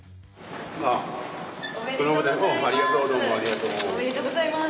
おめでとうございます！